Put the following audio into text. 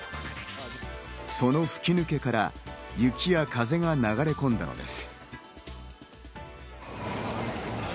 その吹き抜けから、雪や風が流れ込んだのです。